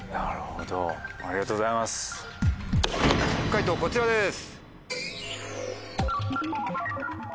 解答こちらです。